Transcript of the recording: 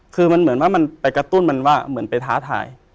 คือมันเหมือนว่ามันไปกระตุ้นมันว่าเหมือนไปท้าทาย